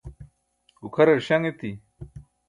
gukʰarar śaṅ eti